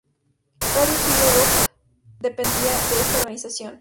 Radio Free Europe dependía de esta organización.